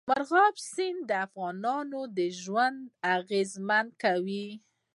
مورغاب سیند د افغانانو ژوند اغېزمن کوي.